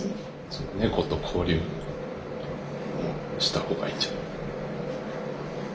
猫と交流をしたほうがいいんじゃない？